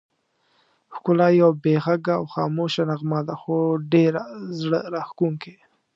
ښکلا یوه بې غږه او خاموشه نغمه ده، خو ډېره زړه راښکونکې.